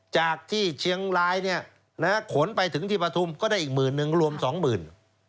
จากที่เชียงรายเนี่ยนะขนไปถึงที่ปฐุมก็ได้อีกหมื่นนึงรวมสองหมื่น